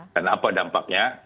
dan apa dampaknya